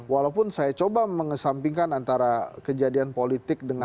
walaupun saya coba mengesampingkan antara kejadian politik dengan